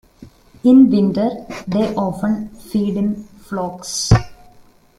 In winter, they often feed in flocks.